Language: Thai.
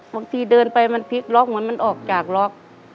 บางทีเดินไปมันพลิกล็อกเหมือนมันออกจากล็อก